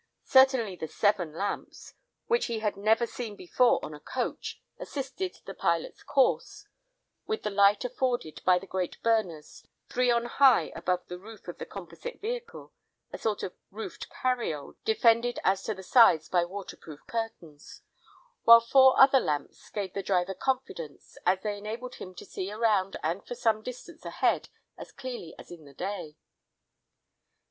Certainly the seven lamps, which he had never seen before on a coach, assisted the pilot's course, with the light afforded by the great burners, three on high above the roof of the composite vehicle, a sort of roofed "cariole" defended as to the sides by waterproof curtains; while four other lamps gave the driver confidence, as they enabled him to see around and for some distance ahead as clearly as in the day.